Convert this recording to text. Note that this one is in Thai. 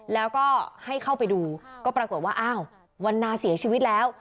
แล้วก็ให้เข้าไปดูก็ปรากฏว่าอ้าววันนาเสียชีวิตแล้ว